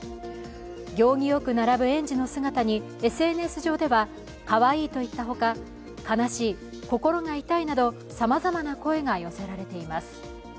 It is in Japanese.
行儀よく並ぶ園児の姿にＳＮＳ上ではかわいいといったほか、悲しい、心が痛いなどさまざまな声が寄せられています。